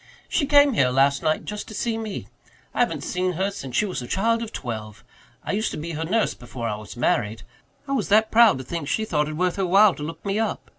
"She came here last night just to see me. I haven't seen her since she was a child of twelve. I used to be her nurse before I was married. I was that proud to think she thought it worth her while to look me up.